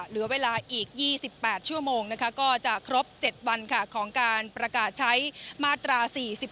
เหลือเวลาอีก๒๘ชั่วโมงก็จะครบ๗วันของการประกาศใช้มาตรา๔๔